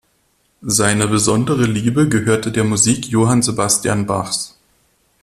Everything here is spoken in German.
Seine besondere Liebe gehörte der Musik Johann Sebastian Bachs.